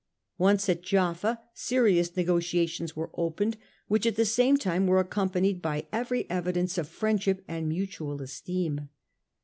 Once at Jaffa, serious negotiations were opened, which at the same time were accompanied by every evidence of friendship and mutual esteem.